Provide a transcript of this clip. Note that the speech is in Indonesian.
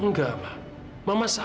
nggak ma mama salah